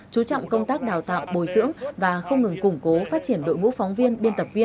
chú trọng công tác đào tạo bồi dưỡng và không bỏ lỡ